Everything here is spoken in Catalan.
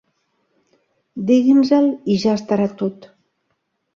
Digui'ns-el i ja estarà tot.